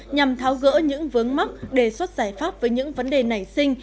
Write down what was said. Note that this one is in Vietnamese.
nhằm tháo gỡ những vướng mắc đề xuất giải pháp với những vấn đề nảy sinh